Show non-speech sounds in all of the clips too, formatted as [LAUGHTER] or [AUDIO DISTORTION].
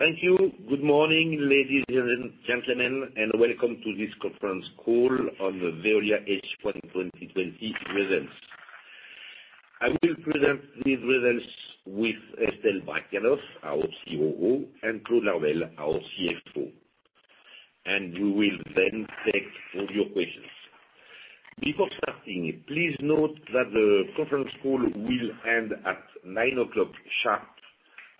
Thank you. Good morning, ladies and gentlemen, and welcome to this conference call on the Veolia H1 2020 Results. I will present these results with Estelle Brachlianoff, our COO, and Claude Laruelle, our CFO. We will then take all your questions. Before starting, please note that the conference call will end at 9:00 A.M. sharp,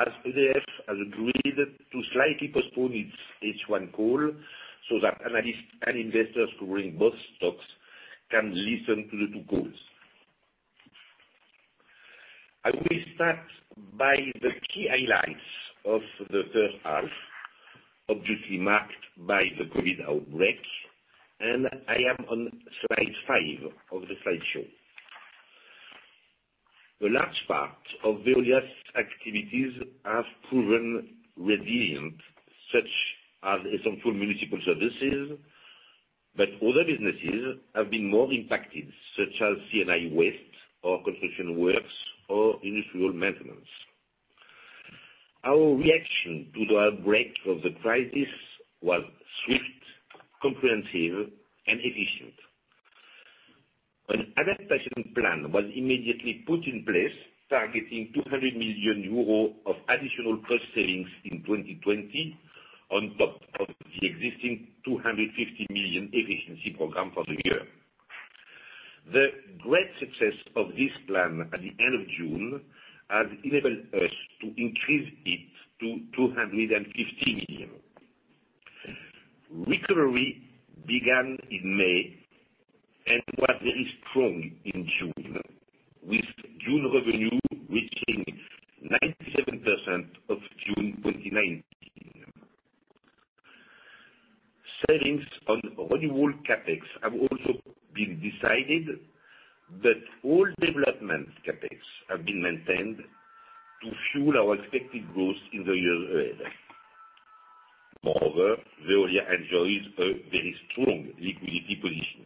as EDF has agreed to slightly postpone its H1 call so that analysts and investors covering both stocks can listen to the two calls. I will start by the key highlights of the first half, obviously marked by the COVID outbreak. I am on slide five of the slideshow. The last part of Veolia's activities have proven resilient, such as essential municipal services, but other businesses have been more impacted, such as C&I waste or construction works or industrial maintenance. Our reaction to the outbreak of the crisis was swift, comprehensive, and efficient. An adaptation plan was immediately put in place, targeting 200 million euros of additional cost savings in 2020, on top of the existing 250 million efficiency program for the year. The great success of this plan at the end of June has enabled us to increase it to 250 million. Recovery began in May and was very strong in June, with June revenue reaching 97% of June 2019. Savings on renewable CapEx have also been decided that all development CapEx have been maintained to fuel our expected growth in the years ahead. Veolia enjoys a very strong liquidity position.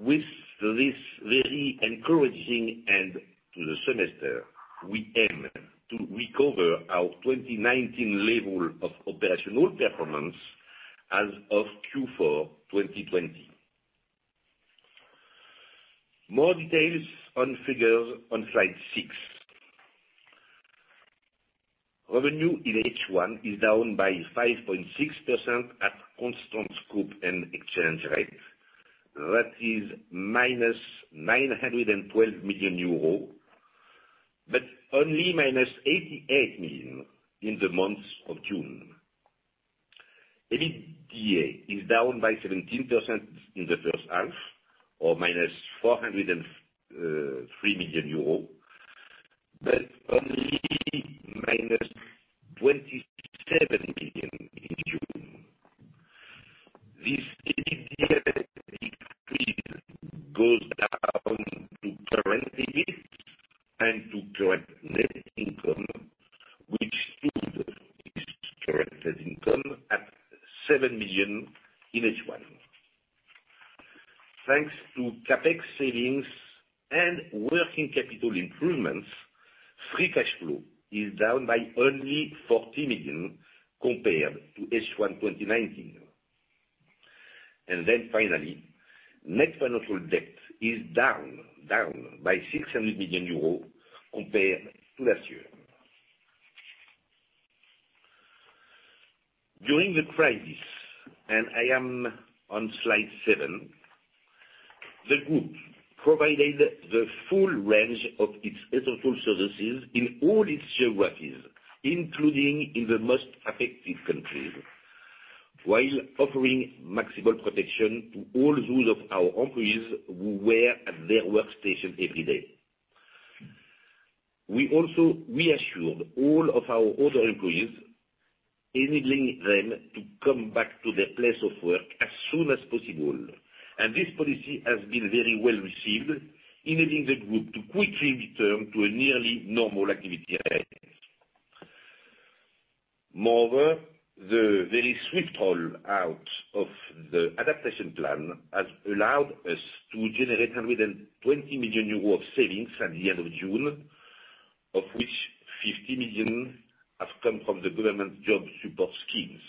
With this very encouraging end to the semester, we aim to recover our 2019 level of operational performance as of Q4 2020. More details and figures on slide six. Revenue in H1 is down by 5.6% at constant scope and exchange rate. -912 million euro, but only -88 million in the month of June. EBITDA is down by 17% in the first half or -403 million euro, but only -27 million in June. This EBITDA decrease goes down to current EBIT and to correct net income, which stood this corrected income at EUR 7 million in H1. Thanks to CapEx savings and working capital improvements, free cash flow is down by only 40 million compared to H1 2019. Finally, net financial debt is down by 600 million euros compared to last year. During the crisis, and I am on slide seven, the group provided the full range of its essential services in all its geographies, including in the most affected countries, while offering maximal protection to all those of our employees who were at their workstation every day. We also reassured all of our other employees, enabling them to come back to their place of work as soon as possible. This policy has been very well received, enabling the group to quickly return to a nearly normal activity level. Moreover, the very swift roll out of the Recover and Adapt Plan has allowed us to generate 120 million euros of savings at the end of June, of which 50 million have come from the government job support schemes.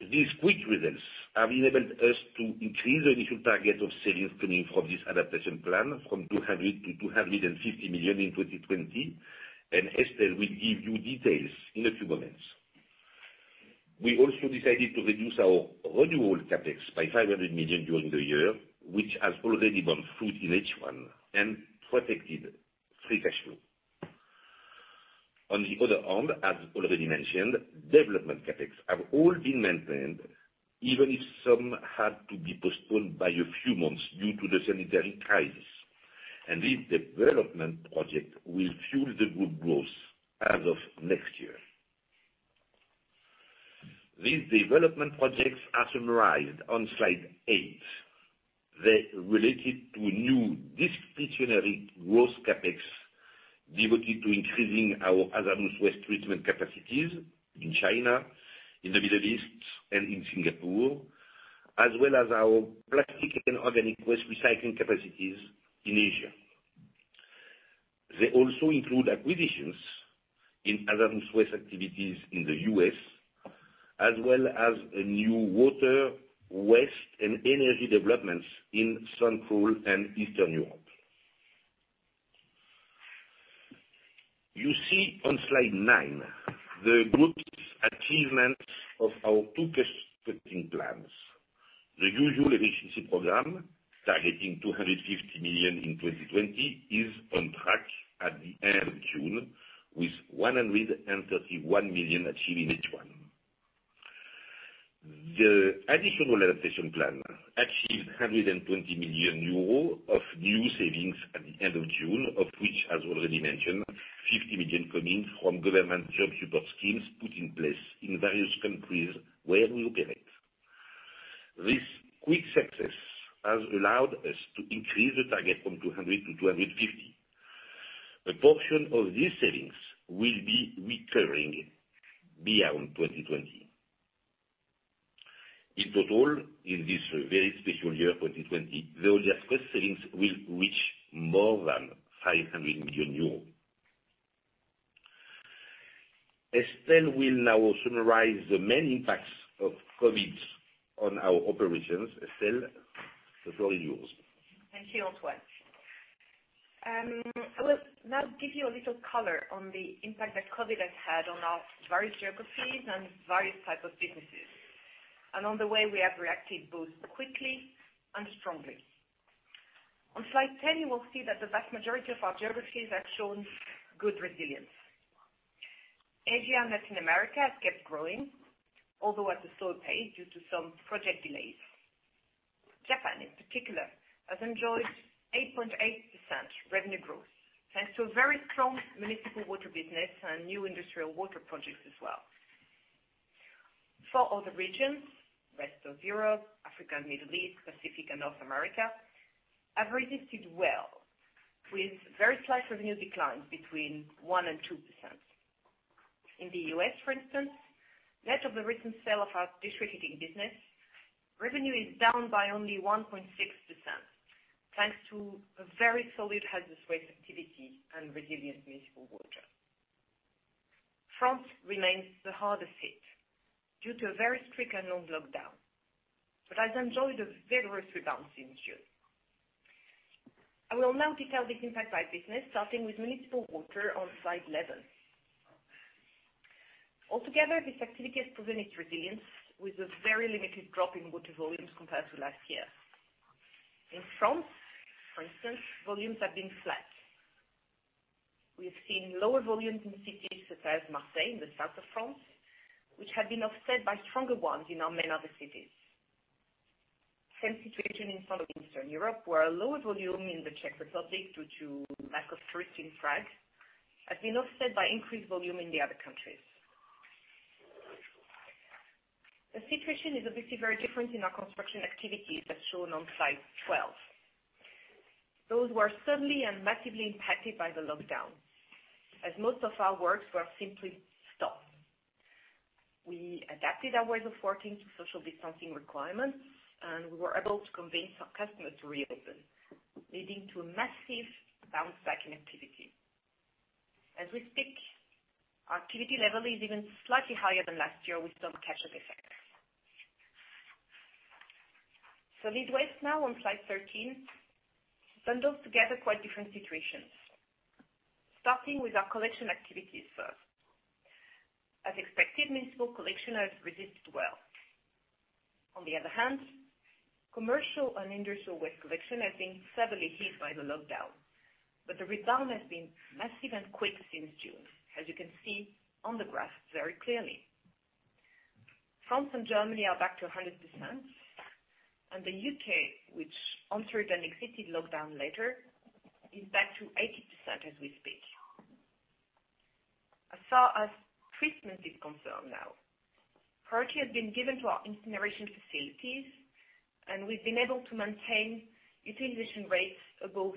These quick results have enabled us to increase the initial target of savings coming from this Recover and Adapt Plan from 200 million to 250 million in 2020, and Estelle will give you details in a few moments. We also decided to reduce our renewable CapEx by 500 million during the year, which has already borne fruit in H1 and protected free cash flow. On the other hand, as already mentioned, development CapEx have all been maintained, even if some had to be postponed by a few months due to the sanitary crisis. These development project will fuel the group growth as of next year. These development projects are summarized on slide eight. They related to new discretionary growth CapEx devoted to increasing our hazardous waste treatment capacities in China, in the Middle East, and in Singapore. As well as our plastic and organic waste recycling capacities in Asia. They also include acquisitions in hazardous waste activities in the U.S., as well as new water, waste, and energy developments in Central and Eastern Europe. You see on slide nine, the group's achievements of our two cost-cutting plans. The usual efficiency program, targeting 250 million in 2020, is on track at the end of June, with 131 million achieved in H1. The additional adaptation plan achieved 120 million euro of new savings at the end of June, of which, as already mentioned, 50 million coming from government job support schemes put in place in various countries where we operate. This quick success has allowed us to increase the target from 200 to 250. A portion of these savings will be recurring beyond 2020. In total, in this very special year, 2020, Veolia's cost savings will reach more than 500 million euros. Estelle will now summarize the main impacts of COVID on our operations. Estelle, the floor is yours. Thank you, Antoine. I will now give you a little color on the impact that COVID has had on our various geographies and various type of businesses, and on the way we have reacted both quickly and strongly. On slide 10, you will see that the vast majority of our geographies have shown good resilience. Asia and Latin America has kept growing, although at a slow pace due to some project delays. Japan in particular, has enjoyed 8.8% revenue growth thanks to a very strong municipal water business and new industrial water projects as well. Four other regions, rest of Europe, Africa and Middle East, Pacific and North America, have resisted well with very slight revenue declines between 1% and 2%. In the U.S., for instance, net of the recent sale of our district heating business, revenue is down by only 1.6%, thanks to a very solid hazardous waste activity and resilient municipal water. France remains the hardest hit due to a very strict and long lockdown, has enjoyed a vigorous rebound since June. I will now detail this impact by business, starting with municipal water on slide 11. Altogether, this activity has proven its resilience with a very limited drop in water volumes compared to last year. In France, for instance, volumes have been flat. We have seen lower volumes in cities such as Marseille in the south of France, which have been offset by stronger ones in our many other cities. Same situation in some of Eastern Europe, where a lower volume in the Czech Republic due to lack of tourists in Prague, has been offset by increased volume in the other countries. The situation is obviously very different in our construction activities, as shown on slide 12. Those were suddenly and massively impacted by the lockdown, as most of our works were simply stopped. We adapted our ways of working to social distancing requirements, and we were able to convince our customers to reopen, leading to a massive bounce back in activity. As we speak, our activity level is even slightly higher than last year with some catch-up effect. Solid waste now on slide 13 bundles together quite different situations, starting with our collection activities first. As expected, municipal collection has resisted well. Commercial and industrial waste collection has been severely hit by the lockdown, but the rebound has been massive and quick since June, as you can see on the graph very clearly. France and Germany are back to 100%, the U.K., which entered and exited lockdown later, is back to 80% as we speak. As far as treatment is concerned now, priority has been given to our incineration facilities, we've been able to maintain utilization rates above 90%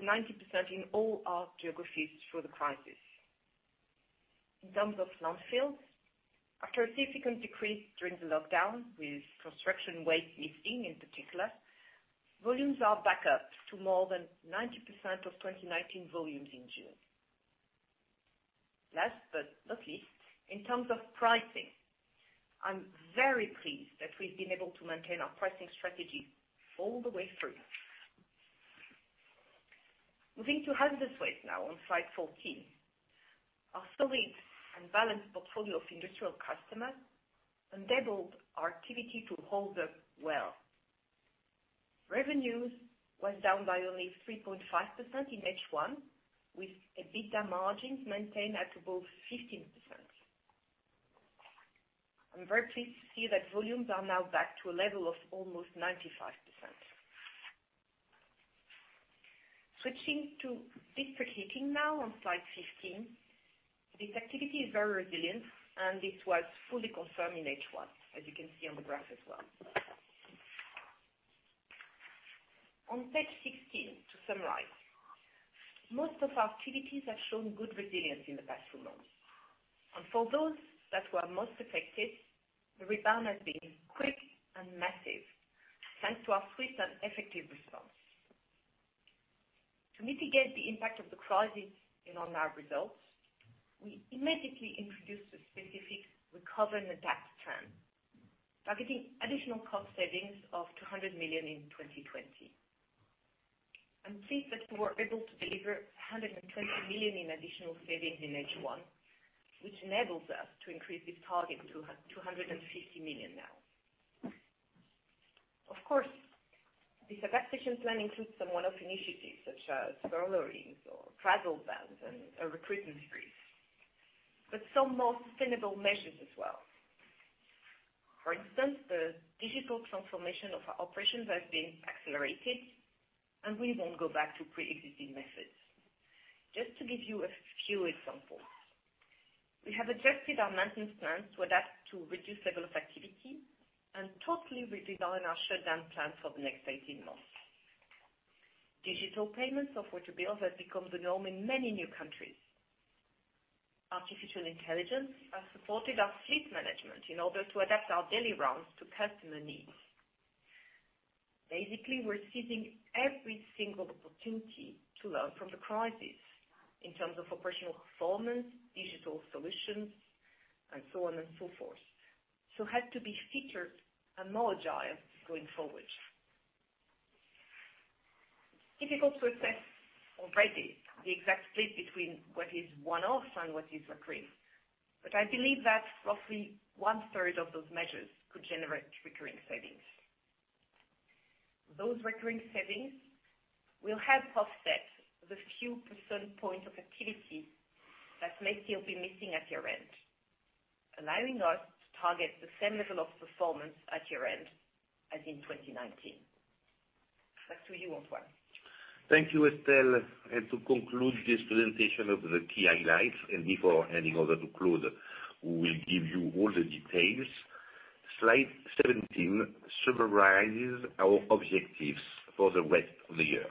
in all our geographies through the crisis. In terms of landfills, after a significant decrease during the lockdown with construction waste lifting in particular, volumes are back up to more than 90% of 2019 volumes in June. Last but not least, in terms of pricing, I'm very pleased that we've been able to maintain our pricing strategy all the way through. Moving to hazardous waste now on slide 14. Our solid and balanced portfolio of industrial customers enabled our activity to hold up well. Revenues was down by only 3.5% in H1, with EBITDA margins maintained at above 15%. I'm very pleased to see that volumes are now back to a level of almost 95%. Switching to district heating now on slide 15. This activity is very resilient, this was fully confirmed in H1, as you can see on the graph as well. On page 16, to summarize, most of our activities have shown good resilience in the past few months. For those that were most affected, the rebound has been quick and massive thanks to our swift and effective response. To mitigate the impact of the crisis and on our results, we immediately introduced a specific Recover and Adapt Plan, targeting additional cost savings of 200 million in 2020. I'm pleased that we were able to deliver 120 million in additional savings in H1, which enables us to increase this target to 250 million now. Of course, this adaptation plan includes some one-off initiatives such as furloughs or travel bans and a recruitment freeze, but some more sustainable measures as well. For instance, the digital transformation of our operations has been accelerated, and we won't go back to pre-existing methods. Just to give you a few examples, we have adjusted our maintenance plans to adapt to reduced level of activity and totally redesign our shutdown plan for the next 18 months. Digital payments of water bills has become the norm in many new countries. Artificial intelligence has supported our fleet management in order to adapt our daily rounds to customer needs. Basically, we're seizing every single opportunity to learn from the crisis in terms of operational performance, digital solutions, and so on and so forth. Had to be featured and more agile going forward. Difficult to assess already the exact split between what is one-off and what is recurring, but I believe that roughly one-third of those measures could generate recurring savings. Those recurring savings will help offset the few percent points of activity that may still be missing at year-end, allowing us to target the same level of performance at year-end as in 2019. Back to you, Antoine. Thank you, Estelle. To conclude this presentation of the key highlights, before handing over to Claude, who will give you all the details, slide 17 summarizes our objectives for the rest of the year.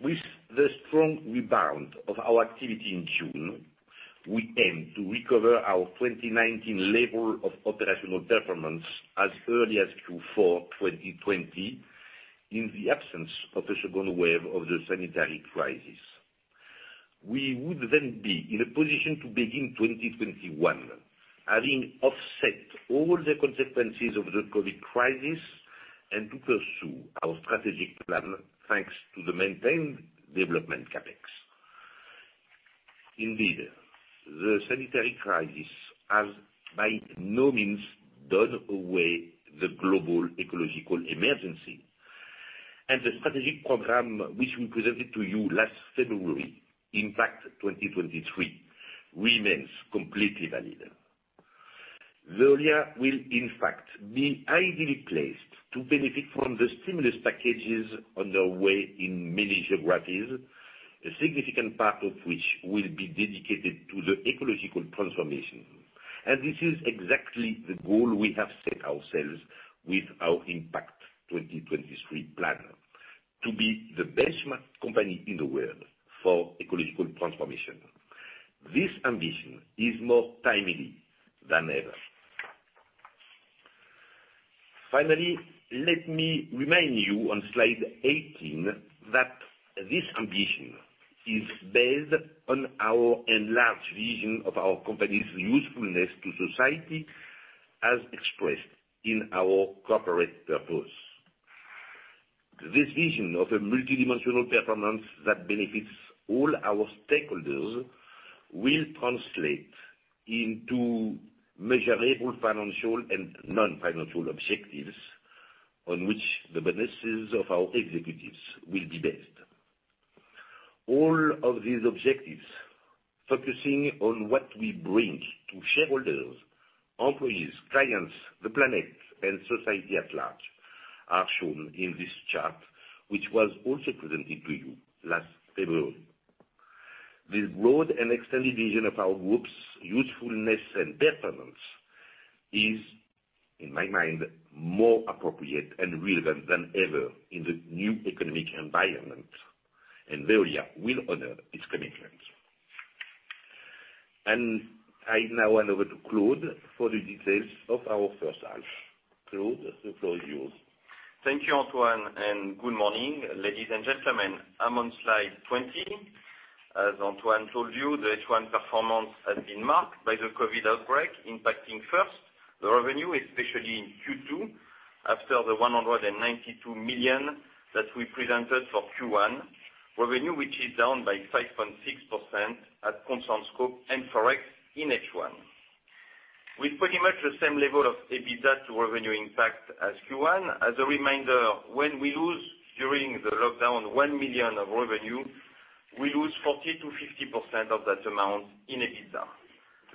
With the strong rebound of our activity in June, we aim to recover our 2019 level of operational performance as early as Q4 2020, in the absence of a second wave of the sanitary crisis. We would then be in a position to begin 2021 having offset all the consequences of the COVID crisis and to pursue our strategic plan thanks to the maintained development CapEx. Indeed, the sanitary crisis has, by no means, done away the global ecological emergency. The strategic program which we presented to you last February, Impact 2023, remains completely valid. Veolia will in fact be ideally placed to benefit from the stimulus packages on their way in many geographies, a significant part of which will be dedicated to the ecological transformation. This is exactly the goal we have set ourselves with our Impact 2023 plan, to be the best company in the world for ecological transformation. This ambition is more timely than ever. Finally, let me remind you on slide 18 that this ambition is based on our enlarged vision of our company's usefulness to society as expressed in our corporate purpose. This vision of a multidimensional performance that benefits all our stakeholders will translate into measurable financial and non-financial objectives, on which the bonuses of our executives will be based. All of these objectives, focusing on what we bring to shareholders, employees, clients, the planet, and society at large, are shown in this chart, which was also presented to you last February. This broad and extended vision of our group's usefulness and performance is, in my mind, more appropriate and relevant than ever in the new economic environment. Veolia will honor its commitment. I now hand over to Claude for the details of our H1. Claude, the floor is yours. Thank you, Antoine. Good morning, ladies and gentlemen. I'm on slide 20. As Antoine told you, the H1 performance has been marked by the COVID outbreak, impacting first the revenue, especially in Q2, after the 192 million that we presented for Q1, which is down by 5.6% at constant scope and ForEx in H1. With pretty much the same level of EBITDA to revenue impact as Q1, as a reminder, when we lose during the lockdown 1 million of revenue, we lose 40%-50% of that amount in EBITDA.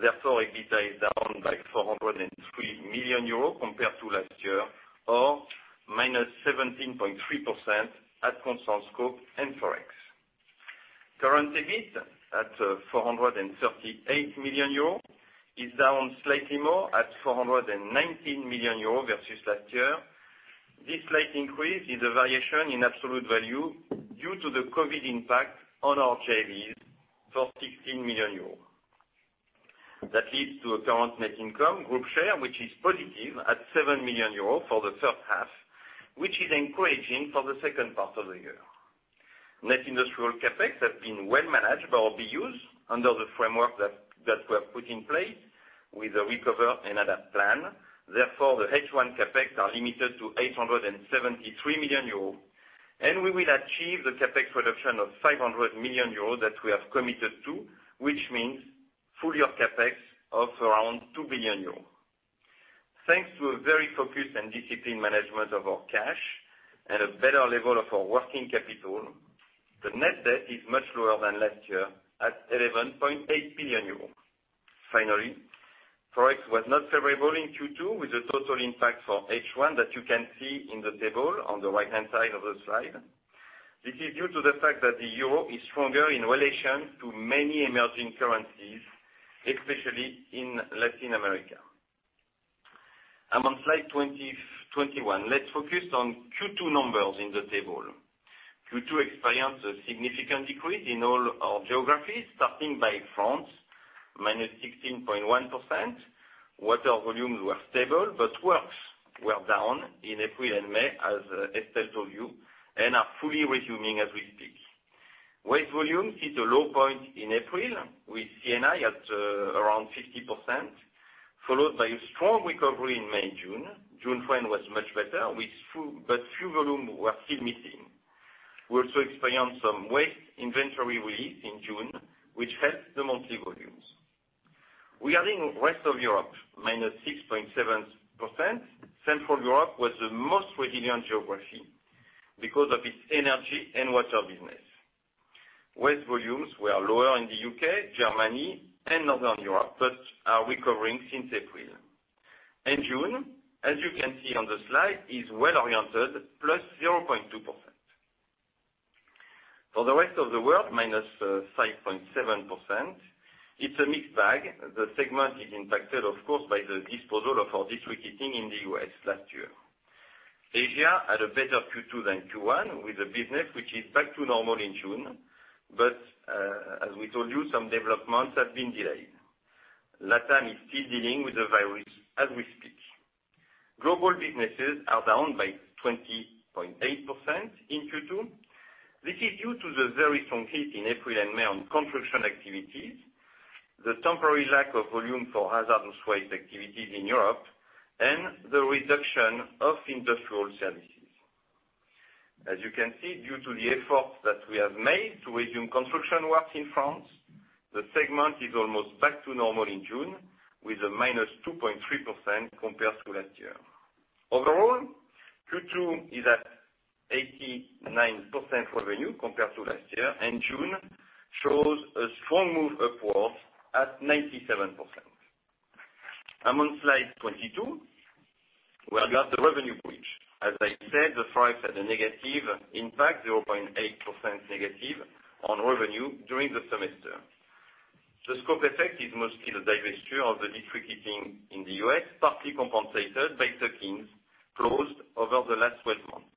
EBITDA is down by 403 million euros compared to last year or -17.3% at constant scope and ForEx. Current EBIT at 438 million euros is down slightly more at 419 million euros versus last year. This slight increase is a variation in absolute value due to the COVID impact on our JVs for 16 million euros. That leads to a current net income group share, which is positive at 7 million euros for the first half, which is encouraging for the second part of the year. Net industrial CapEx have been well managed by our BUs under the framework that were put in place with the Recover and Adapt Plan. The H1 CapEx are limited to 873 million euros, and we will achieve the CapEx reduction of 500 million euros that we have committed to, which means full-year CapEx of around 2 billion euros. Thanks to a very focused and disciplined management of our cash and a better level of our working capital, the net debt is much lower than last year at 11.8 billion euros. Finally, ForEx was not favorable in Q2 with a total impact for H1 that you can see in the table on the right-hand side of the slide. This is due to the fact that the euro is stronger in relation to many emerging currencies, especially in Latin America. I'm on slide 21. Let's focus on Q2 numbers in the table. Q2 experienced a significant decrease in all our geographies, starting by France, -16.1%. Water volumes were stable, works were down in April and May, as Estelle told you, and are fully resuming as we speak. Waste volumes hit a low point in April, with C&I at around 50%, followed by a strong recovery in May, June. June frame was much better, few volume were still missing. We also experienced some waste inventory release in June, which helped the monthly volumes. Regarding rest of Europe, -6.7%, Central Europe was the most resilient geography because of its energy and water business. Waste volumes were lower in the U.K., Germany, and Northern Europe, are recovering since April. June, as you can see on the slide, is well-oriented, +0.2%. For the rest of the world, -5.7%, it's a mixed bag. The segment is impacted, of course, by the disposal of our district heating in the U.S. last year. Asia had a better Q2 than Q1 with the business, which is back to normal in June. As we told you, some developments have been delayed. LATAM is still dealing with the virus as we speak. Global businesses are down by 20.8% in Q2. This is due to the very strong hit in April and May on construction activities, the temporary lack of volume for hazardous waste activities in Europe, and the reduction of industrial services. As you can see, due to the effort that we have made to resume construction works in France, the segment is almost back to normal in June, with a -2.3% compared to last year. Overall, Q2 is at 89% revenue compared to last year, and June shows a strong move upwards at 97%. I'm on slide 22, where we have the revenue bridge. As I said, the ForEx had a negative impact, 0.8% negative on revenue during the semester. The scope effect is mostly the divesture of the district heating in the U.S., partly compensated by takings closed over the last 12 months.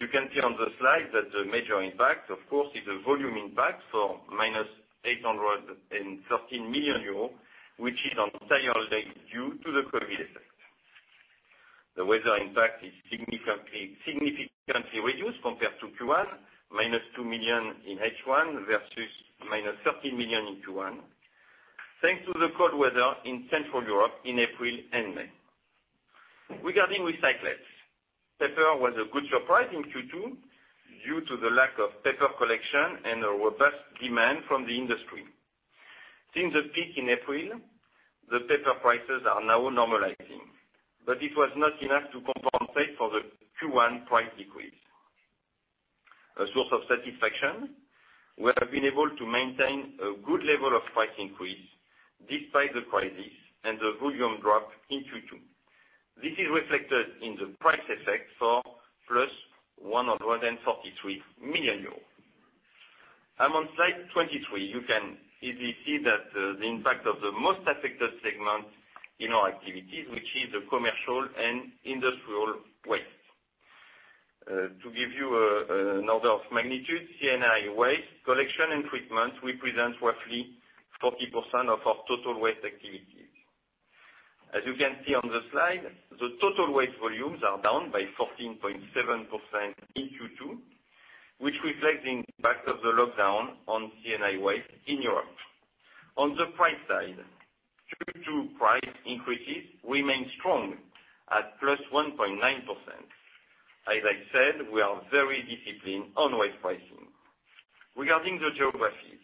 You can see on the slide that the major impact, of course, is the volume impact for -813 million euros, which is entirely due to the COVID effect. The weather impact is significantly reduced compared to Q1, -2 million in H1 versus -13 million in Q1, thanks to the cold weather in Central Europe in April and May. Regarding recyclates, paper was a good surprise in Q2 due to the lack of paper collection and a robust demand from the industry. Since the peak in April, the paper prices are now normalizing, but it was not enough to compensate for the Q1 price decrease. A source of satisfaction, we have been able to maintain a good level of price increase despite the crisis and the volume drop in Q2. This is reflected in the price effect for plus 143 million euros. I'm on slide 23. You can easily see that the impact of the most affected segment in our activities, which is the commercial and industrial waste. To give you an order of magnitude, C&I waste collection and treatment represent roughly 40% of our total waste activities. As you can see on the slide, the total waste volumes are down by 14.7% in Q2, which reflects the impact of the lockdown on C&I waste in Europe. On the price side, Q2 price increases remain strong at plus 1.9%. As I said, we are very disciplined on waste pricing. Regarding the geography,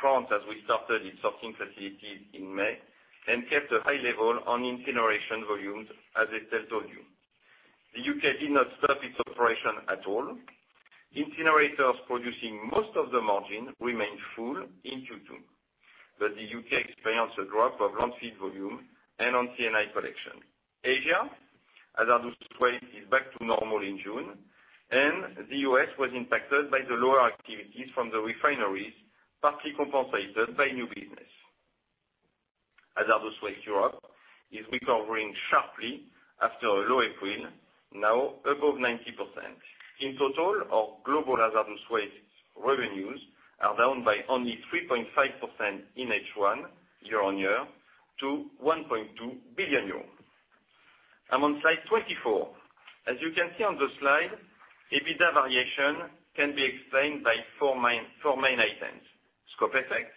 France, as we started its sorting facilities in May and kept a high level on incineration volumes, as Estelle told you. The U.K. did not stop its operation at all. Incinerators producing most of the margin remained full in Q2. The U.K. experienced a drop of landfill volume and on C&I collection. Asia, hazardous waste is back to normal in June. The U.S. was impacted by the lower activities from the refineries, partly compensated by new business. Hazardous waste Europe is recovering sharply after a low April, now above 90%. In total, our global hazardous waste revenues are down by only 3.5% in H1 year-on-year to 1.2 billion euros. I'm on slide 24. As you can see on the slide, EBITDA variation can be explained by four main items. Scope effect,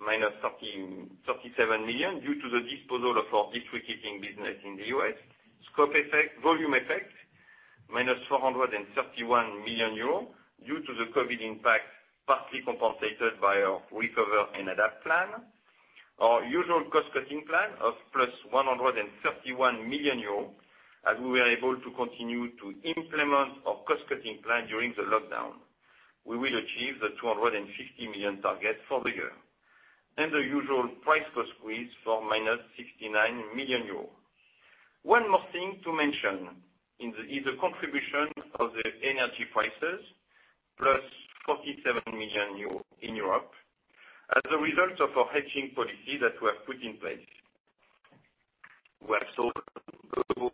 -37 million due to the disposal of our district heating business in the U.S. Scope effect, volume effect, -431 million euros due to the COVID impact, partly compensated by our Recover and Adapt Plan. Our usual cost-cutting plan of plus 131 million euros, as we were able to continue to implement our cost-cutting plan during the lockdown. We will achieve the 250 million target for the year. The usual price-cost squeeze for -69 million euros. One more thing to mention is the contribution of the energy prices, plus 47 million euro in Europe, as a result of our hedging policy that we have put in place. We have sold over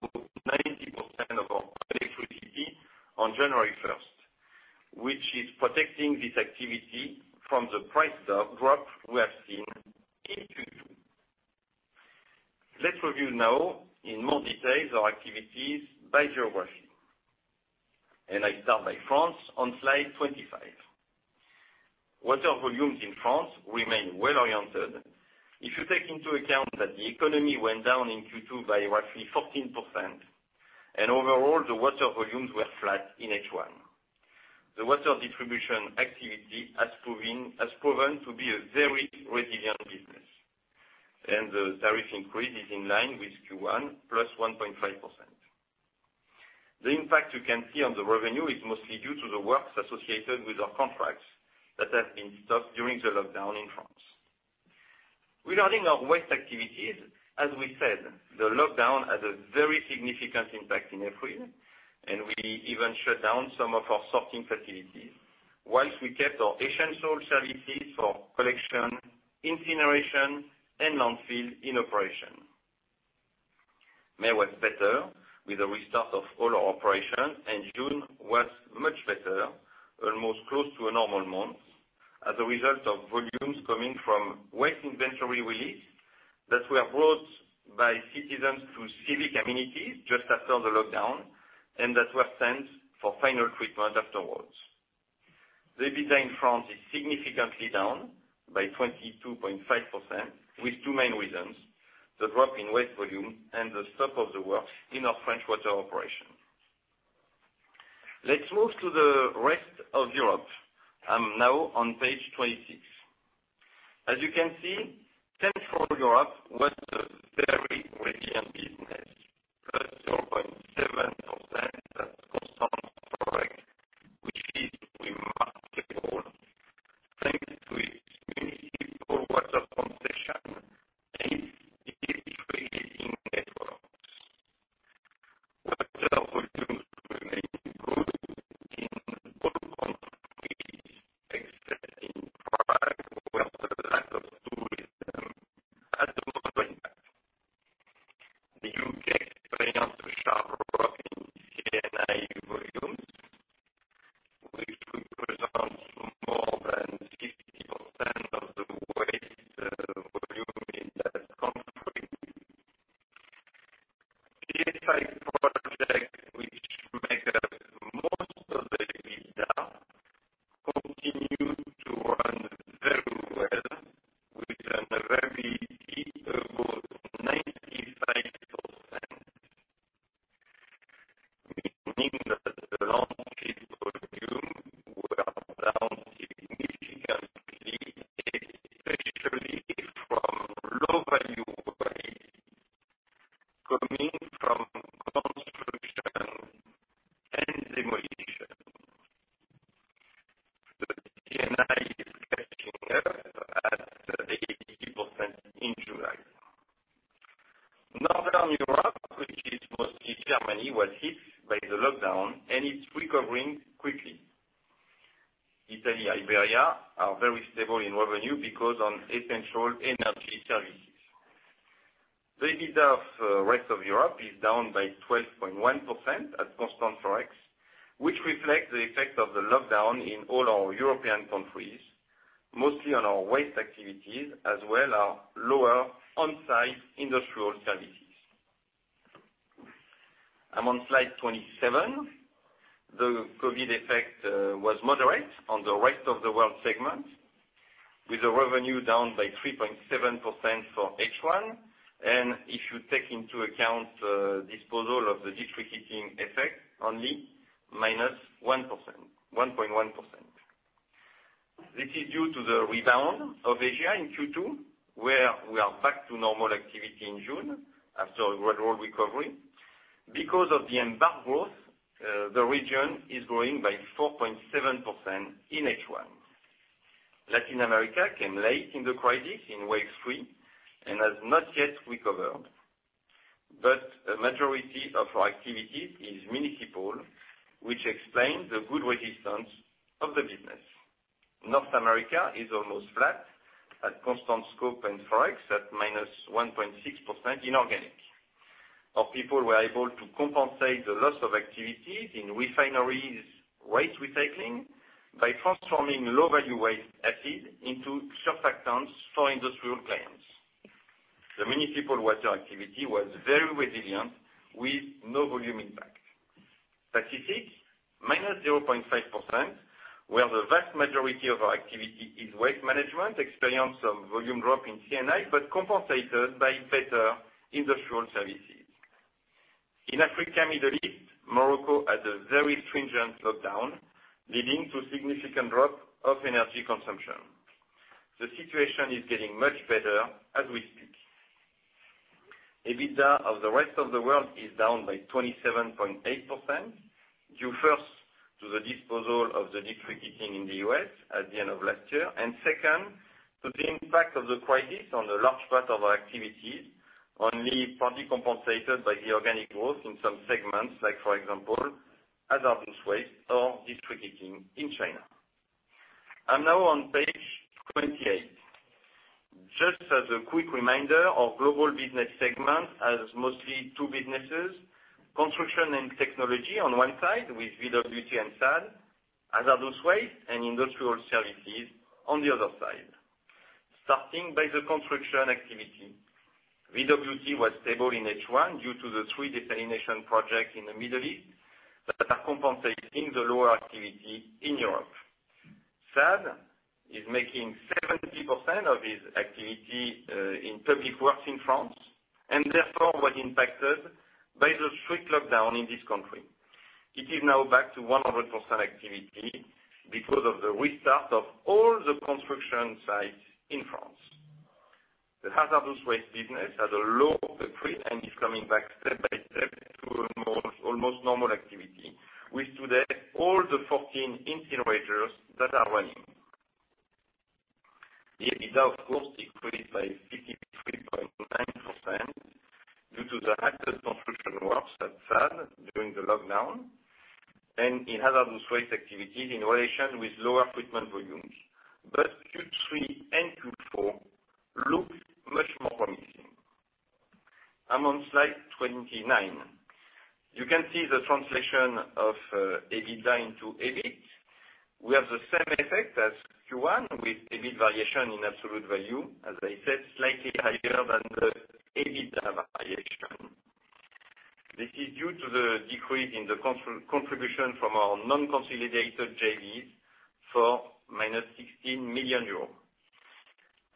90% of our electricity on January 1st, which is protecting this activity from the price drop we have seen in Q2. Let's review now in more details our activities by geography. I start by France on slide 25. Water volumes in France remain well-oriented. If you take into account that the economy went down in Q2 by roughly 14%, and overall, the water volumes were flat in H1. The water distribution activity has proven to be a very resilient business, and the tariff increase is in line with Q1, plus 1.5%. The impact you can see on the revenue is mostly due to the works associated with our contracts that have been stopped during the lockdown in France. Regarding our waste activities, as we said, the lockdown had a very significant impact in April, and we even shut down some of our sorting facilities, whilst we kept our essential services for collection, incineration, and landfill in operation. May was better with the restart of all our operations, and June was much better, almost close to a normal month, as a result of volumes coming from waste inventory release that were brought by citizens to civic amenities just after the lockdown, and that were sent for final treatment afterwards. The EBITDA in France is significantly down by 22.5% with two main reasons, the drop in waste volume and the stop of the works in our French water operation. Let's move to the rest of Europe. I'm now on page 26. As you can see, Central Europe was a very resilient business. [AUDIO DISTORTION] Northern Europe, which is mostly Germany, was hit by the lockdown. It's recovering quickly. Italy, Iberia are very stable in revenue because on essential energy services. The EBITDA for rest of Europe is down by 12.1% at constant ForEx, which reflects the effect of the lockdown in all our European countries, mostly on our waste activities as well our lower on-site industrial services. I'm on slide 27. The COVID effect was moderate on the rest of the world segment, with the revenue down by 3.7% for H1. If you take into account the disposal of the district heating effect, only -1.1%. This is due to the rebound of Asia in Q2, where we are back to normal activity in June after a gradual recovery. Because of the embark growth, the region is growing by 4.7% in H1. Latin America came late in the crisis in wave 3, and has not yet recovered. A majority of our activity is municipal, which explains the good resistance of the business. North America is almost flat at constant scope and ForEx at -1.6% inorganic. Our people were able to compensate the loss of activities in refineries waste recycling by transforming low-value waste acid into surfactants for industrial clients. The municipal water activity was very resilient, with no volume impact. Pacific, -0.5%, where the vast majority of our activity is waste management, experienced some volume drop in C&I, but compensated by better industrial services. In Africa and Middle East, Morocco had a very stringent lockdown, leading to significant drop of energy consumption. The situation is getting much better as we speak. EBITDA of the rest of the world is down by 27.8%, due first to the disposal of the district heating in the U.S. at the end of last year. Second, to the impact of the crisis on a large part of our activities, only partly compensated by the organic growth in some segments, like for example, hazardous waste or district heating in China. I'm now on page 28. Just as a quick reminder, our global business segment has mostly two businesses, construction and technology on one side with VWT and SADE, hazardous waste and industrial services on the other side. Starting by the construction activity. VWT was stable in H1 due to the three desalination projects in the Middle East that are compensating the lower activity in Europe. SADE is making 70% of its activity in public works in France and therefore was impacted by the strict lockdown in this country. It is now back to 100% activity because of the restart of all the construction sites in France. The hazardous waste business had a low and is coming back step by step to almost normal activity, with today, all the 14 incinerators that are running. The EBITDA, of course, decreased by 53.9% due to the active construction works at SADE during the lockdown and in hazardous waste activities in relation with lower treatment volumes. Q3 and Q4 look much more promising. I'm on slide 29. You can see the translation of EBITDA into EBIT. We have the same effect as Q1 with EBIT variation in absolute value, as I said, slightly higher than the EBITDA variation. This is due to the decrease in the contribution from our non-consolidated JVs for -16 million euros.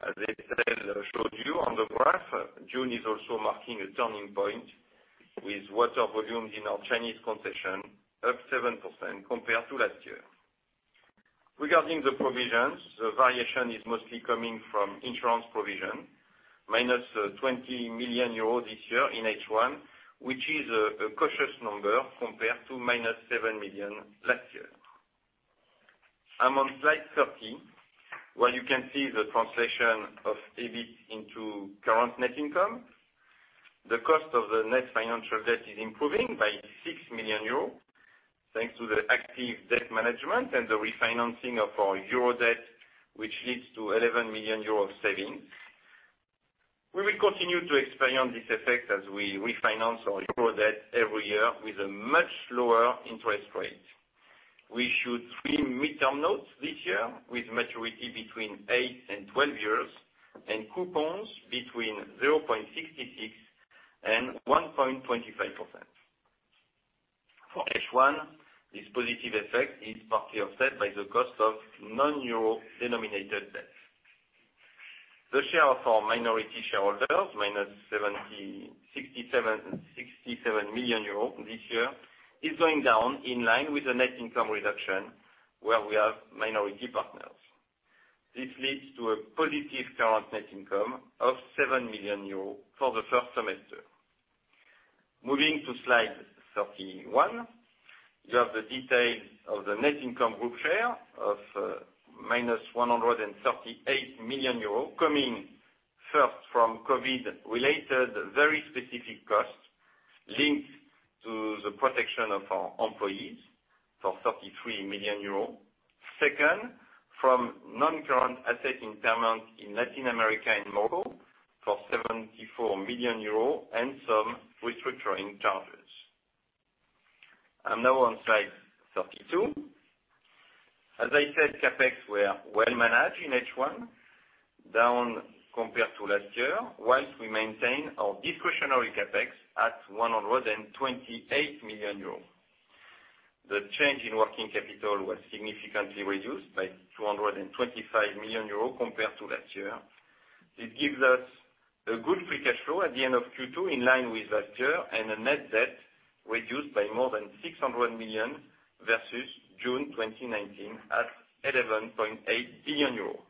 As Estelle showed you on the graph, June is also marking a turning point, with water volumes in our Chinese concession up 7% compared to last year. Regarding the provisions, the variation is mostly coming from insurance provision, -20 million euros this year in H1, which is a cautious number compared to -7 million last year. I'm on slide 30, where you can see the translation of EBIT into current net income. The cost of the net financial debt is improving by 6 million euros thanks to the active debt management and the refinancing of our euro debt, which leads to 11 million euros of savings. We will continue to experience this effect as we refinance our euro debt every year with a much lower interest rate. We issued three medium-term notes this year with maturity between eight and 12 years and coupons between 0.66% and 1.25%. For H1, this positive effect is partly offset by the cost of non euro denominated debt. The share for minority shareholders, -67 million euros this year, is going down in line with the net income reduction where we have minority partners. This leads to a positive current net income of 7 million euros for the first semester. Moving to slide 31. You have the details of the net income group share of -138 million euros, coming first from COVID-related very specific costs linked to the protection of our employees for 33 million euros. Second, from non-current asset impairment in Latin America and Morocco for 74 million euros and some restructuring charges. I am now on slide 32. As I said, CapEx were well managed in H1, down compared to last year, while we maintain our discretionary CapEx at 128 million euros. The change in working capital was significantly reduced by 225 million euros compared to last year. It gives us a good free cash flow at the end of Q2 in line with last year and a net debt reduced by more than 600 million versus June 2019 at 11.8 billion euros.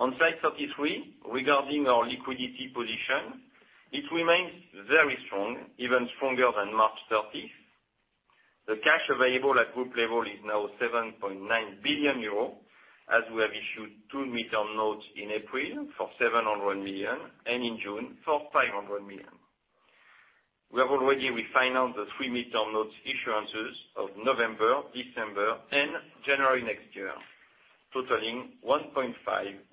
On slide 33, regarding our liquidity position, it remains very strong, even stronger than March 30th. The cash available at group level is now 7.9 billion euros, as we have issued two medium-term notes in April for 700 million and in June for 500 million. We have already refinanced the three medium-term notes issuances of November, December, and January next year, totaling 1.5 billion euros.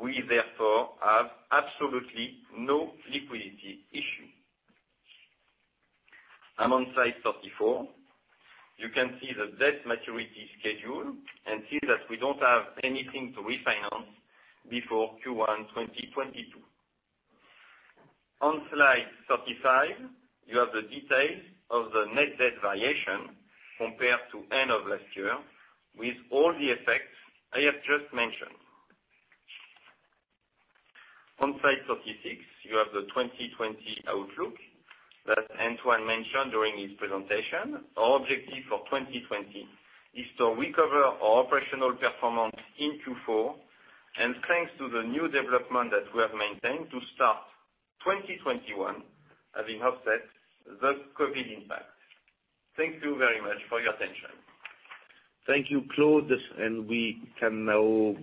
We therefore have absolutely no liquidity issue. I'm on slide 34. You can see the debt maturity schedule and see that we don't have anything to refinance before Q1 2022. On slide 35, you have the details of the net debt variation compared to end of last year with all the effects I have just mentioned. On slide 36, you have the 2020 outlook that Antoine mentioned during his presentation. Our objective for 2020 is to recover our operational performance in Q4, and thanks to the new development that we have maintained to start 2021, having offset the COVID impact. Thank you very much for your attention. Thank you, Claude. We can now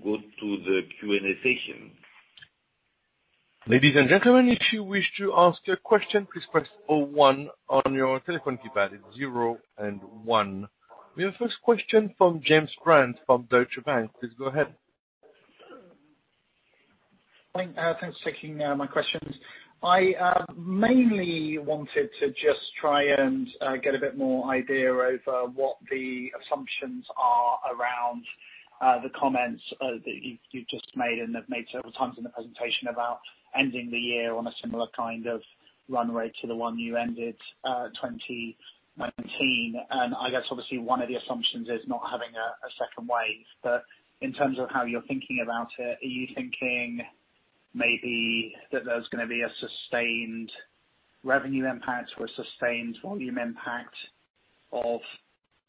go to the Q&A session. Ladies and gentlemen, if you wish to ask a question, please press zero one on your telephone keypad. zero and one. We have first question from James Brand from Deutsche Bank. Please go ahead. Hi. Thanks for taking my questions. I mainly wanted to just try and get a bit more idea over what the assumptions are around the comments that you've just made and have made several times in the presentation about ending the year on a similar kind of run rate to the one you ended 2019. I guess obviously one of the assumptions is not having a second wave. In terms of how you're thinking about it, are you thinking maybe that there's going to be a sustained revenue impact or a sustained volume impact of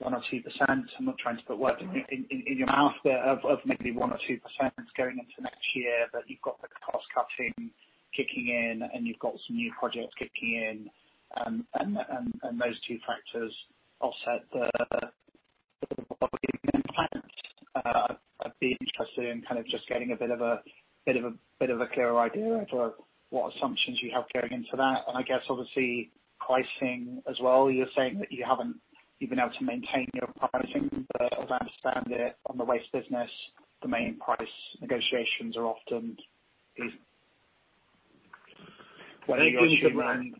1% or 2%? I'm not trying to put words in your mouth, but of maybe 1% or 2% going into next year, that you've got the cost cutting kicking in and you've got some new projects kicking in, and those two factors offset the volume impact. I'd be interested in kind of just getting a bit of a clearer idea of what assumptions you have going into that. I guess obviously pricing as well. You're saying that you haven't even been able to maintain your pricing. As I understand it, on the waste business, the main price negotiations are often. Thank you, James Brand.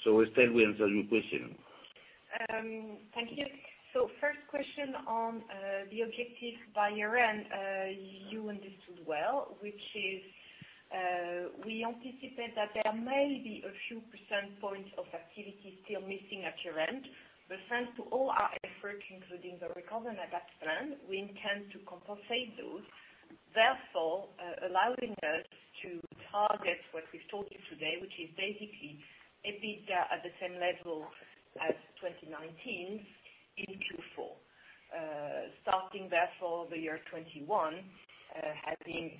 Estelle will answer your question. Thank you. First question on the objective by year-end, you understood well, which is we anticipate that there may be a few percentage points of activity still missing at year-end. Thanks to all our effort, including the Recover and Adapt Plan, we intend to compensate those, therefore, allowing us to target what we've told you today, which is basically EBITDA at the same level as 2019 in Q4. Starting therefore the year 2021, having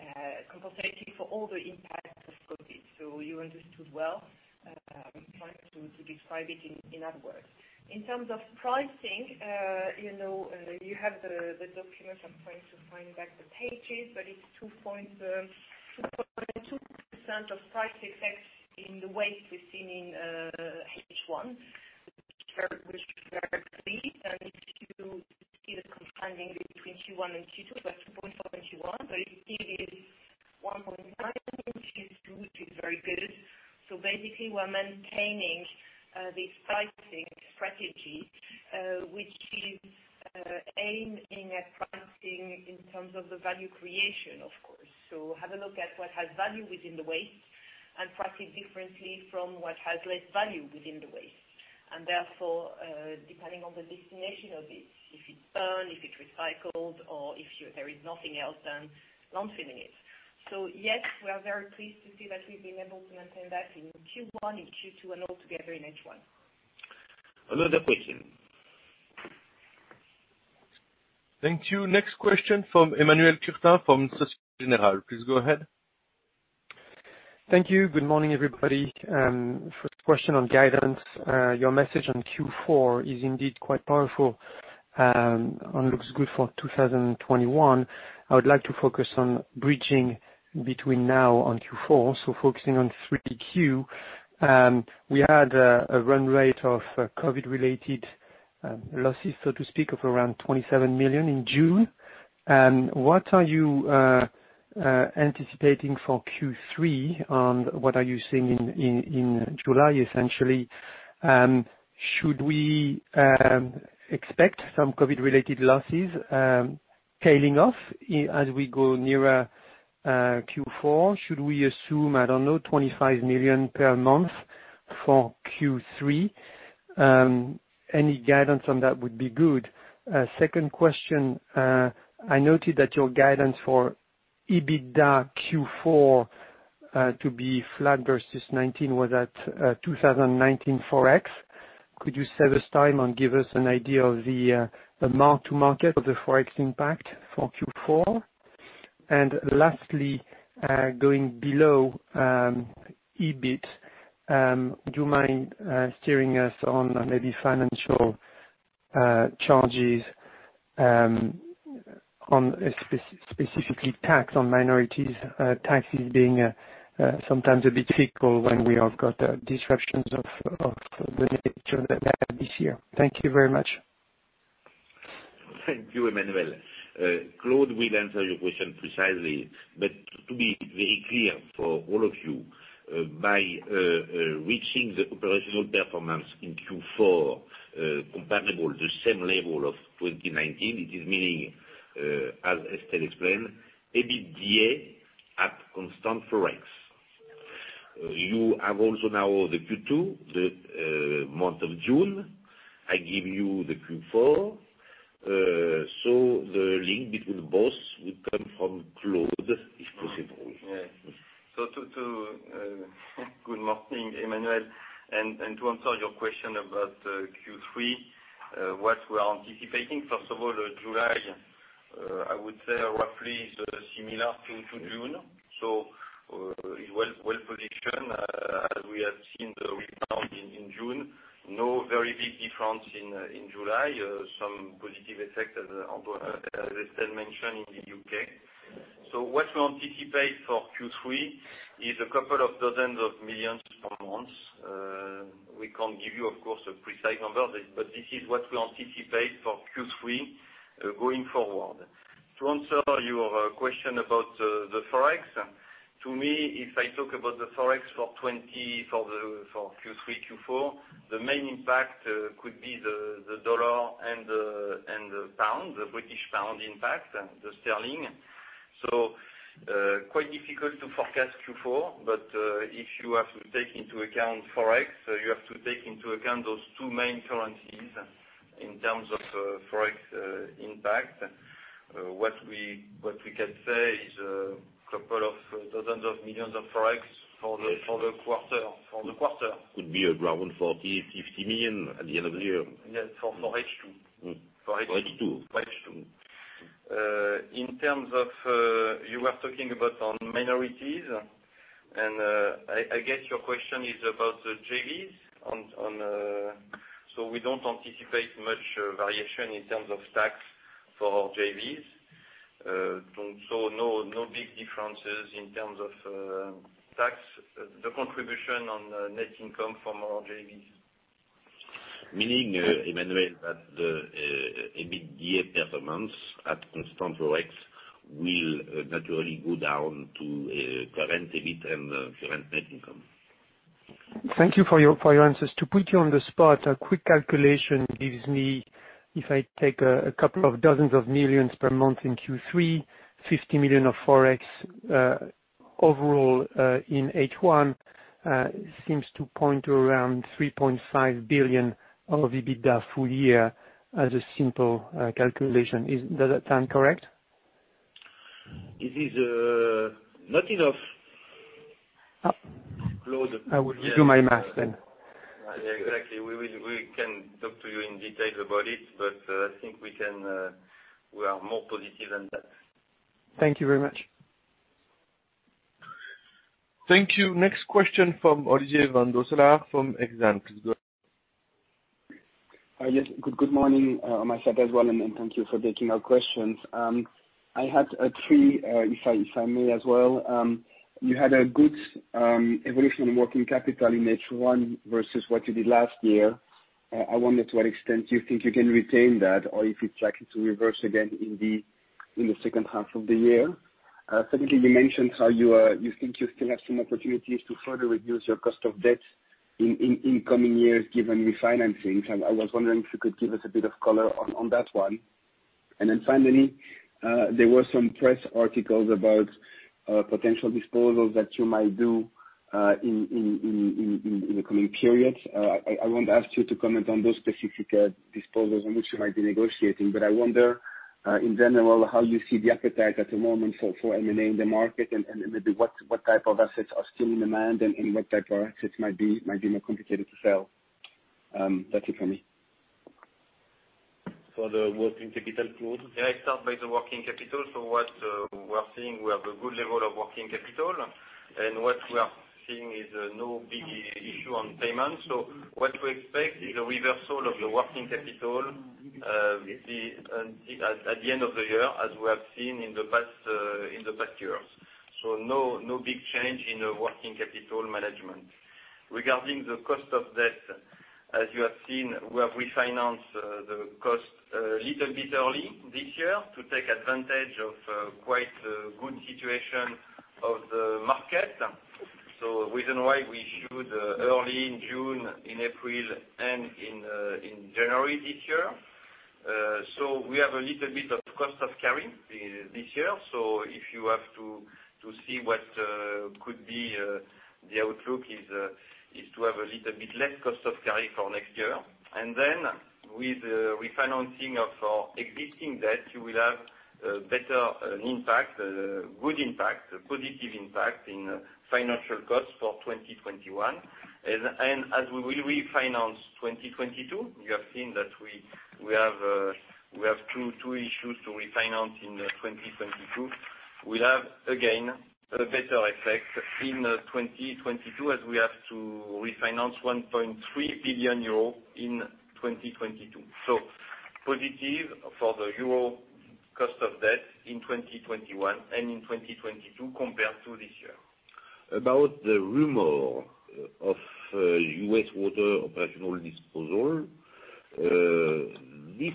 compensated for all the impact of COVID. You understood well. I'm trying to describe it in other words. In terms of pricing, you have the documents. I'm trying to find back the pages, but it's 2.2% of price effect in the waste we've seen in H1, which is very clear. If you see the comparing between Q1 and Q2, we have 2.5% in Q1, but it is 1.9% in Q2, which is very good. Basically, we're maintaining this pricing strategy, which is aiming at pricing in terms of the value creation, of course. Have a look at what has value within the waste and price it differently from what has less value within the waste. Therefore, depending on the destination of it, if it's burned, if it's recycled, or if there is nothing else, then landfilling it. Yes, we are very pleased to see that we've been able to maintain that in Q1 and Q2 and all together in H1. Another question. Thank you. Next question from Emmanuel Quirin from Societe Generale. Please go ahead. Thank you. Good morning, everybody. First question on guidance. Your message on Q4 is indeed quite powerful, and it looks good for 2021. I would like to focus on bridging between now on Q4, so focusing on 3Q. We had a run rate of COVID-related losses, so to speak, of around 27 million in June. What are you anticipating for Q3, and what are you seeing in July, essentially? Should we expect some COVID-related losses tailing off as we go nearer Q4? Should we assume, I don't know, 25 million per month for Q3? Any guidance on that would be good. Second question. I noted that your guidance for EBITDA Q4 to be flat versus 2019 was at 2019 ForEx. Could you save us time and give us an idea of the mark to market of the ForEx impact for Q4? Lastly, going below EBIT, do you mind steering us on maybe financial charges on specifically tax on minorities, taxes being, sometimes a bit difficult when we have got disruptions of the nature that we had this year. Thank you very much. Thank you, Emmanuel. Claude will answer your question precisely. To be very clear for all of you, by reaching the operational performance in Q4 compatible the same level of 2019, it is meaning, as Estelle explained, EBITDA at constant ForEx. You have also now the Q2, the month of June, I give you the Q4, the link between both will come from Claude, if possible. Good morning, Emmanuel. To answer your question about Q3, what we are anticipating, first of all, July, I would say roughly is similar to June. It was well-positioned, as we have seen the rebound in June. No very big difference in July. Some positive effect as Estelle mentioned in the U.K. What we anticipate for Q3 is a couple of dozens of millions per month. We can't give you, of course, a precise number, this is what we anticipate for Q3 going forward. To answer your question about the ForEx, to me, if I talk about the ForEx for Q3, Q4, the main impact could be the US dollar and the British pound, the British pound impact and the sterling. Quite difficult to forecast Q4, but if you have to take into account ForEx, you have to take into account those two main currencies in terms of ForEx impact. What we can say is a couple of dozens of million ForEx for the quarter. Could be around 40 million-50 million at the end of the year. Yes. For H2. For H2. For H2. You were talking about on minorities. I guess your question is about the JVs. We don't anticipate much variation in terms of tax for our JVs. No big differences in terms of tax, the contribution on net income from our JVs. Meaning, Emmanuel, that the EBITDA performance at constant ForEx will naturally go down to current EBIT and current net income. Thank you for your answers. To put you on the spot, a quick calculation gives me, if I take a couple of dozens of millions per month in Q3, 50 million of ForEx, overall, in H1, seems to point to around 3.5 billion of EBITDA full year as a simple calculation. Does that sound correct? It is not enough. Claude. I will do my math then. Yeah, exactly. We can talk to you in detail about it, but I think we are more positive than that. Thank you very much. Thank you. Next question from Olivier Van Doosselaere from Exane. Go ahead. Yes. Good morning on my side as well. Thank you for taking our questions. I had three, if I may as well. You had a good evolution in working capital in H1 versus what you did last year. I wonder to what extent do you think you can retain that, or if it's likely to reverse again in the second half of the year. Secondly, you mentioned how you think you still have some opportunities to further reduce your cost of debt in coming years, given refinancings. I was wondering if you could give us a bit of color on that one. Finally, there were some press articles about potential disposals that you might do in the coming periods. I won't ask you to comment on those specific disposals on which you might be negotiating, but I wonder, in general, how you see the appetite at the moment for M&A in the market, and maybe what type of assets are still in demand and what type of assets might be more complicated to sell. That's it from me. For the working capital, Claude? Yeah, I start by the working capital. What we are seeing, we have a good level of working capital, and what we are seeing is no big issue on payment. What we expect is a reversal of the working capital at the end of the year, as we have seen in the past years. No big change in the working capital management. Regarding the cost of debt, as you have seen, we have refinanced the cost a little bit early this year to take advantage of quite a good situation of the market. Reason why we issued early in June, in April, and in January this year. We have a little bit of cost of carry this year. If you have to see what could be the outlook is to have a little bit less cost of carry for next year. With the refinancing of our existing debt, you will have a better impact, a good impact, a positive impact in financial costs for 2021. As we will refinance 2022, you have seen that we have two issues to refinance in 2022. We'll have, again, a better effect in 2022 as we have to refinance 1.3 billion euro in 2022. Positive for the euro cost of debt in 2021 and in 2022 compared to this year. About the rumor of U.S. Water operational disposal, this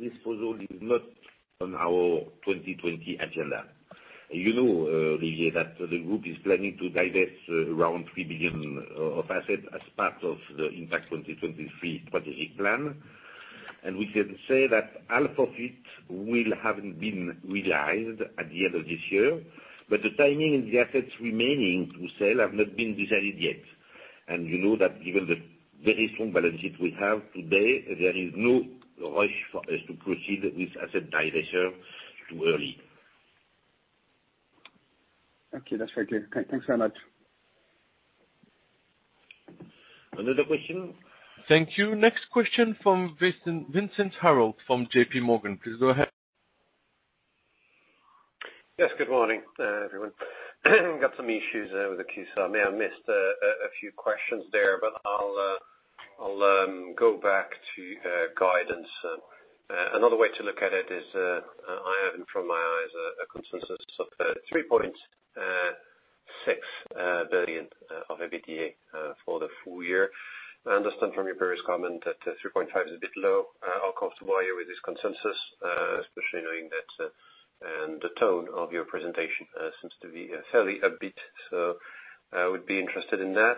disposal is not on our 2020 agenda. You know, that the group is planning to divest around 3 billion of asset as part of the Impact 2023 strategic plan, and we can say that half of it will have been realized at the end of this year, but the timing and the assets remaining to sell have not been decided yet. You know that given the very strong balance sheet we have today, there is no rush for us to proceed with asset divestiture too early. Okay. That's very clear. Thanks very much. Another question? Thank you. Next question from Vincent Ayral from JPMorgan. Please go ahead. Yes, good morning, everyone. Got some issues there with the queue, so I may have missed a few questions there, but I'll go back to guidance. Another way to look at it is, I have in front of my eyes a consensus of 3.6 billion of EBITDA, for the full year. I understand from your various comment that 3.5 is a bit low. How comfortable are you with this consensus, especially knowing that the tone of your presentation seems to be fairly upbeat, so I would be interested in that.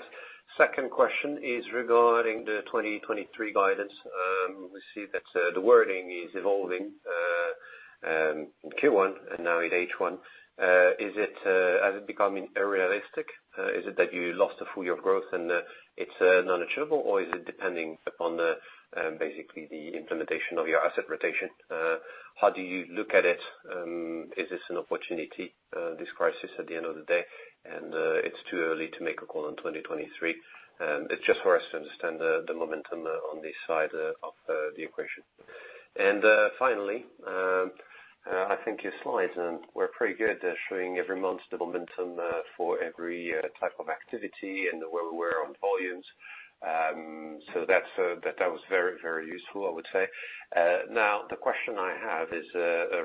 Second question is regarding the 2023 guidance. We see that the wording is evolving, in Q1 and now in H1. Has it become unrealistic? Is it that you lost a full year of growth and it's not achievable, or is it depending upon basically the implementation of your asset rotation? How do you look at it? Is this an opportunity, this crisis at the end of the day, and it's too early to make a call on 2023? It's just for us to understand the momentum on this side of the equation. Finally, I think your slides were pretty good, showing every month the momentum for every type of activity and where we were on volumes. That was very useful I would say. Now, the question I have is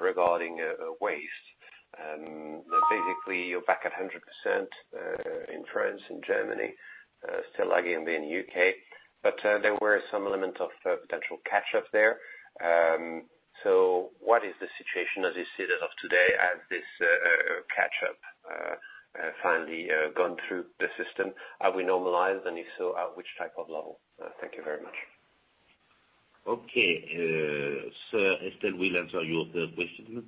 regarding waste. Basically, you're back at 100% in France and Germany, still lagging a bit in the U.K., but there were some element of potential catch-up there. What is the situation as you see it as of today? Has this catch-up finally gone through the system? Are we normalized, and if so, at which type of level? Thank you very much. Okay. Estelle will answer your third question.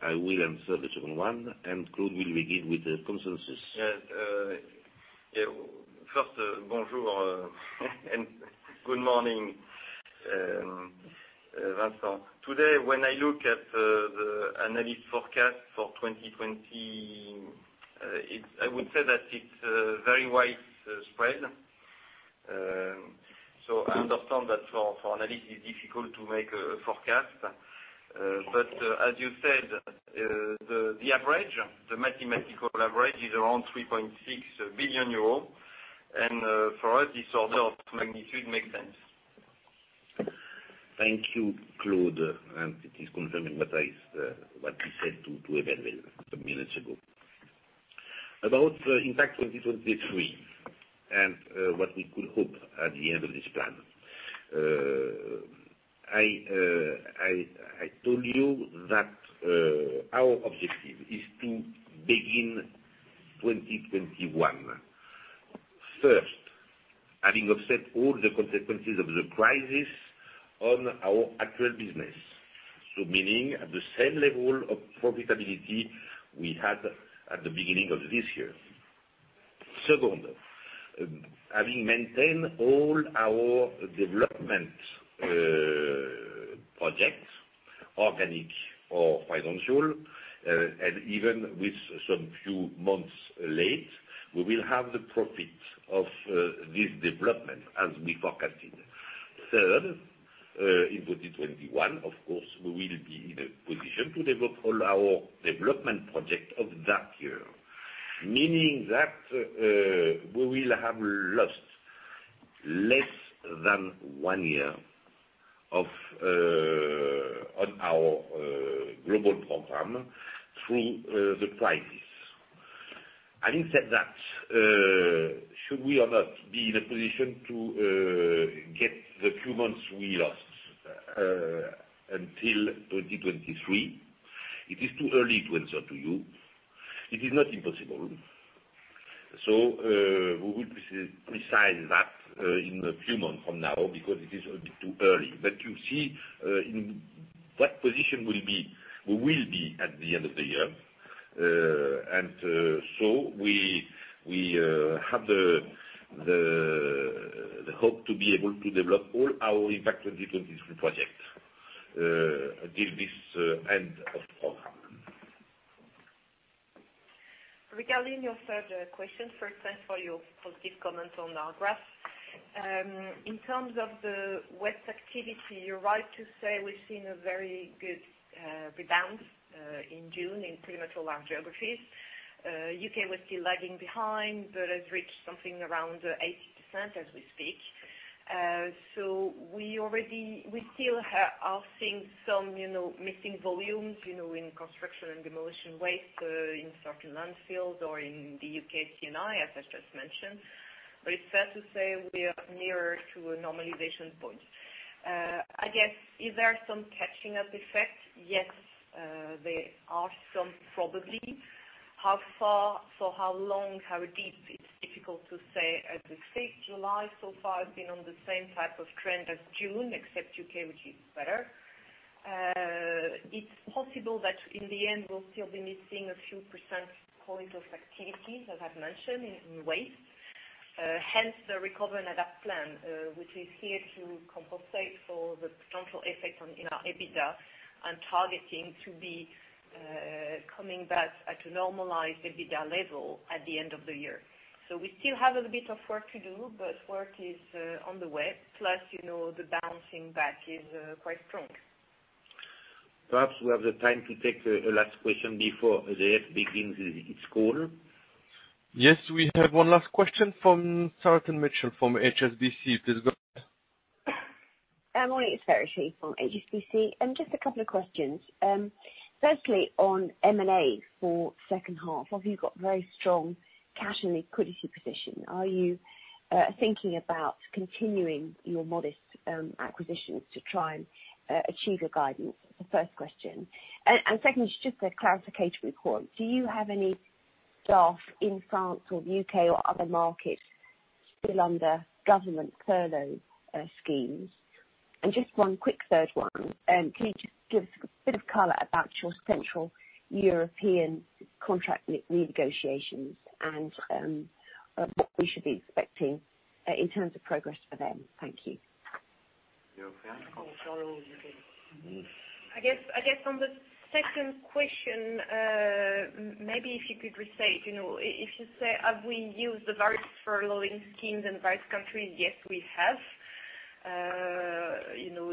I will answer the second one. Claude will begin with the consensus. Yes. First, bonjour and good morning, Vincent. Today, when I look at the analyst forecast for 2020, I would say that it's very widespread. I understand that for an analyst, it's difficult to make a forecast. As you said, the average, the mathematical average, is around 3.6 billion euros, and for us, this order of magnitude makes sense. Thank you, Claude, it is confirming what we said to Emmanuel a few minutes ago. What we could hope at the end of this plan. I told you that our objective is to begin 2021, first, having offset all the consequences of the crisis on our actual business. Meaning at the same level of profitability we had at the beginning of this year. Second, having maintained all our development projects, organic or financial, even with some few months late, we will have the profit of this development as we forecasted. Third, in 2021, of course, we will be in a position to develop all our development projects of that year, meaning that we will have lost less than one year on our global program through the crisis. Having said that, should we or not be in a position to get the few months we lost until 2023? It is too early to answer to you. It is not impossible. We will precise that in a few months from now because it is a bit too early. You see, in what position we will be at the end of the year. We have the hope to be able to develop all our Impact 2023 projects till this end of program. Regarding your third question, first, thanks for your positive comments on our graphs. In terms of the waste activity, you're right to say we've seen a very good rebound in June in pretty much all our geographies. U.K. was still lagging behind, but has reached something around 80% as we speak. We still are seeing some missing volumes in construction and demolition waste in certain landfills or in the U.K. C&I, as I just mentioned. It's fair to say we are nearer to a normalization point. I guess, is there some catching up effect? Yes, there are some, probably. How far, for how long, how deep? It's difficult to say. As we speak, July so far has been on the same type of trend as June, except U.K., which is better. It's possible that in the end, we'll still be missing a few percent points of activities, as I've mentioned, in waste. Hence the Recover and Adapt Plan, which is here to compensate for the potential effect on our EBITDA and targeting to be coming back at a normalized EBITDA level at the end of the year. We still have a little bit of work to do, but work is on the way. Plus, the bouncing back is quite strong. Perhaps we have the time to take a last question before the EDF begins its call. Yes. We have one last question from Sarath and Mitchell from HSBC. Please go ahead. Morning. It's Sarath here from HSBC. Just a couple of questions. Firstly, on M&A for second half, have you got very strong cash and liquidity position? Are you thinking about continuing your modest acquisitions to try and achieve a guidance? The first question. Second is just a clarification report. Do you have any staff in France or U.K. or other markets still under government furlough schemes? Just one quick third one. Can you just give us a bit of color about your Central European contract negotiations and what we should be expecting in terms of progress for them? Thank you. You can. I guess on the second question, maybe if you could restate. If you say, have we used the various furloughing schemes in various countries, yes, we have.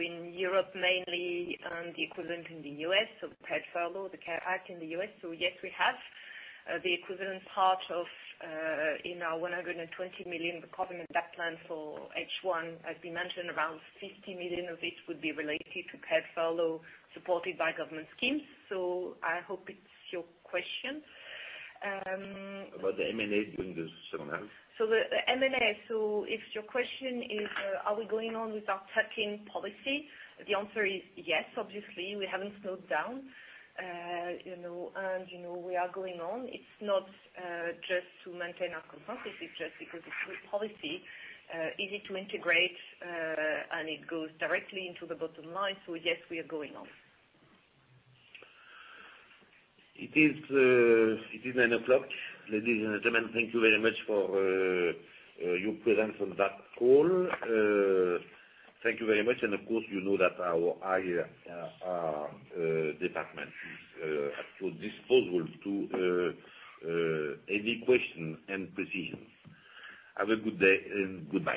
In Europe mainly, and the equivalent in the U.S., so paid furlough, the CARES Act in the U.S. Yes, we have. The equivalent part of in our 120 million Recover and Adapt Plan for H1, as we mentioned, around 50 million of it would be related to paid furlough supported by government schemes. I hope it's your question. About the M&A during the second half. The M&A. If your question is, are we going on with our tuck-in policy? The answer is yes, obviously, we haven't slowed down. We are going on. It's not just to maintain our competitiveness, just because it's good policy, easy to integrate, and it goes directly into the bottom line. Yes, we are going on. It is nine o'clock. Ladies and gentlemen, thank you very much for your presence on that call. Thank you very much. Of course, you know that our IR department is at your disposal to any question and precision. Have a good day and goodbye.